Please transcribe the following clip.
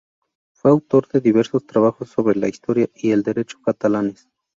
Fue autor de diversos trabajos sobre la historia y el derecho catalanes.